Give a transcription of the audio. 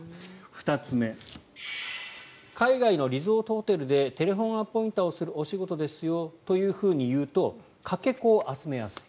２つ目、海外のリゾートホテルでテレフォンアポインターをするお仕事ですよと言うとかけ子を集めやすい。